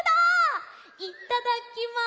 いただきます！